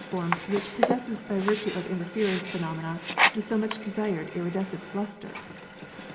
formed which possesses by virtue of interference phenomena the so much desired iridescent lustre.